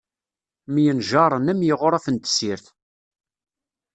Myenjaṛen, am iɣuṛaf n tessirt.